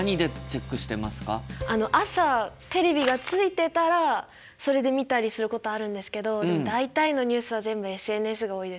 朝テレビがついてたらそれで見たりすることあるんですけど大体のニュースは全部ＳＮＳが多いですかね。